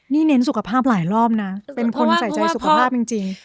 นี่เน้นสุขภาพหลายรอบนะเป็นคนใส่ใจสุขภาพจริง